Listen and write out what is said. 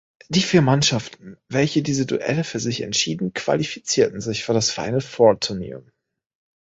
Die vier Mannschaften, welche diese Duelle für sich entschieden, qualifizierten sich für das Final-Four-Turnier.